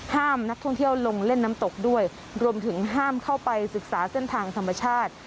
ห้ามนักท่องเที่ยวลงเล่นน้ำตกด้วยรวมถึงห้ามเข้าไปศึกษาเส้นทางธรรมชาติ